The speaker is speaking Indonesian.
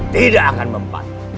tidak akan mempat